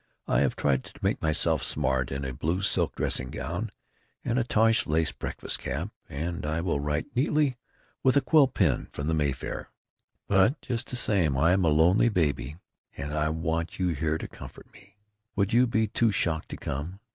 I have tried to make myself smart in a blue silk dressing gown & a tosh lace breakfast cap, & I will write neatly with a quill pen from the Mayfair, but just the same I am a lonely baby & I want you here to comfort me. Would you be too shocked to come?